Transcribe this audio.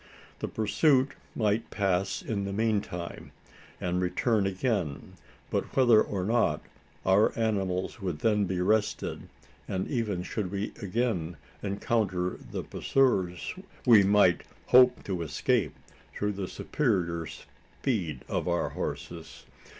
The pursuit might pass in the meantime, and return again; but whether or not, our animals would then be rested; and even should we again encounter the pursuers we might hope to escape, through the superior speed of our horses.